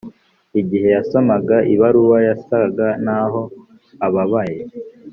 igihe yasomaga ibaruwa, yasaga naho ababaye.